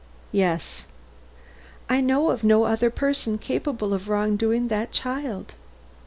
"Yes." "I know of no other person capable of wronging that child."